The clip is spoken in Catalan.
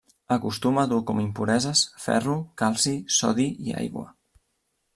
Acostuma a dur com impureses: ferro, calci, sodi i aigua.